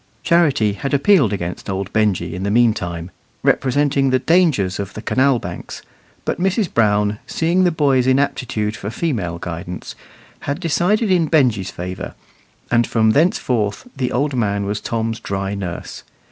Charity had appealed against old Benjy in the meantime, representing the dangers of the canal banks; but Mrs. Brown, seeing the boy's inaptitude for female guidance, had decided in Benjy's favour, and from thenceforth the old man was Tom's dry nurse.